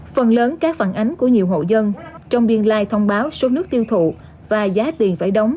phần lớn các phản ánh của nhiều hộ dân trong biên lai thông báo số nước tiêu thụ và giá tiền phải đóng